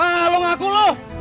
ah lu ngaku lu